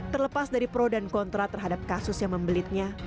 terlepas dari pro dan kontra terhadap kasus yang membelitnya